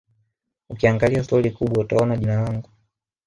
Ukiangalia stori kubwa utaona jina langu